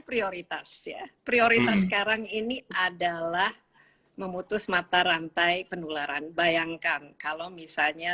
prioritas ya prioritas sekarang ini adalah memutus mata rantai penularan bayangkan kalau misalnya